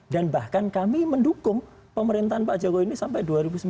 dan bahkan kami mendukung pemerintahan pak jago ini sampai dua ribu sembilan belas